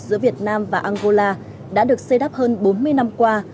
với angola đã được xây đắp hơn bốn mươi năm qua